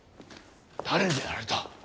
誰にやられた？